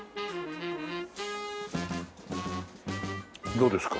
どうですか？